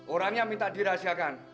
orang yang minta dirahasiakan